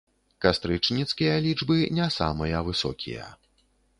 Кастрычніцкія лічбы не самыя высокія.